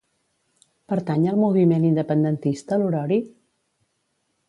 Pertany al moviment independentista l'Horori?